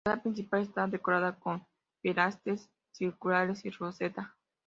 La entrada principal está decorada con pilastras circulares y roseta.